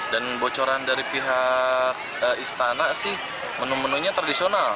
dan bocoran dari pihak istana sih menu menunya tradisional